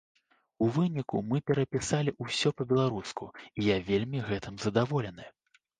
У выніку, мы перапісалі ўсё па-беларуску, і я вельмі гэтым задаволены.